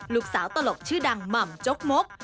ลูกสาวตลกชื่อดังหม่ำจกมก